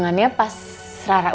sementara ikut remaining